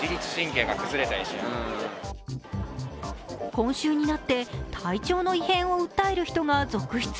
今週になって体調の異変を訴える人が続出。